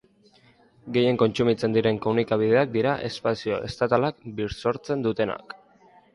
Gehien kontsumitzen diren komunikabideak dira espazio estatala bisortzen dutenak.